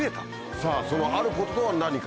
さぁそのあることは何か？